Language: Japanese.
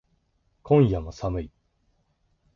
今夜も寒い